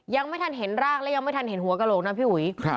ยังไม่ทันเห็นร่างและยังไม่ทันเห็นหัวกระโหลกนะพี่อุ๋ย